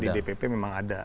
di dpp memang ada